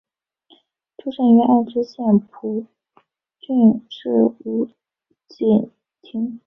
出身于爱知县蒲郡市五井町。